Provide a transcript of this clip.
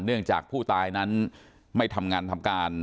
เนื่องจากผู้ตายนั้นไม่ทำงานทำการ